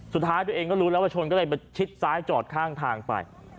สุดท้ายตัวเองก็รู้แล้วว่าชนก็เลยมาชิดซ้ายจอดข้างทางไป